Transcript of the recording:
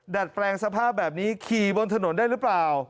ดัดแปลงสภาพแบบนี้ขี่บนถนนได้หรือเปล่า